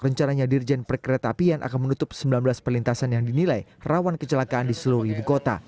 rencananya dirjen perkereta apian akan menutup sembilan belas perlintasan yang dinilai rawan kecelakaan di seluruh ibu kota